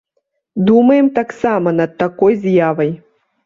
Думаем таксама над такой з'явай.